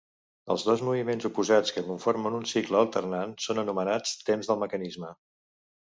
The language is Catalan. Els dos moviments oposats que conformen un cicle alternant són anomenats temps del mecanisme.